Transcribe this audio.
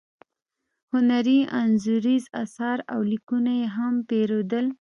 هنري انځوریز اثار او لیکونه یې هم پیرودل.